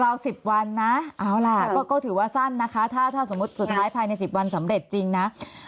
๑๐วันนะเอาล่ะก็ถือว่าสั้นนะคะถ้าสมมุติสุดท้ายภายใน๑๐วันสำเร็จจริงนะ